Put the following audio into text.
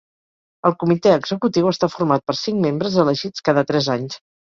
El comitè executiu està format per cinc membres elegits cada tres anys.